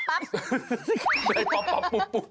ได้ปั๊บปุ๊บ